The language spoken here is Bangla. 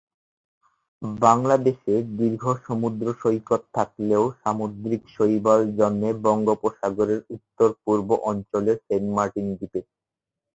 বাংলাদেশের দীর্ঘ সমুদ্রসৈকত থাকলেও সামুদ্রিক শৈবাল জন্মে বঙ্গোপসাগরের উত্তর-পূর্ব অঞ্চলের সেন্টমার্টিন দ্বীপে।